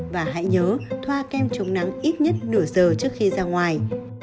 và hãy nhớ thoa kem chống nắng ít nhất nửa giờ trước khi ra ngoài